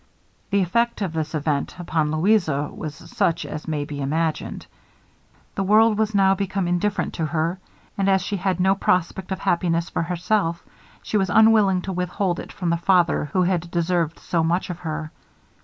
The effect of this event upon Louisa was such as may be imagined. The world was now become indifferent to her, and as she had no prospect of happiness for herself, she was unwilling to withhold it from the father who had deserved so much of her.